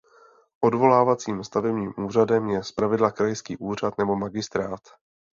Odvolacím stavebním úřadem je zpravidla krajský úřad nebo magistrát.